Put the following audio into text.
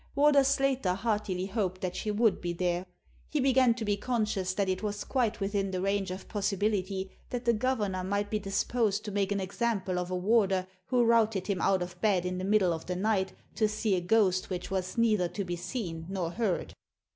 Warder Slater heartily hoped that she would be there. He began to be conscious that it was quite within the range of possibility that the governor might be disposed to make an example of a warder who routed him out of bed in the middle of the night to see a ghost which was neither to be seen nor heard.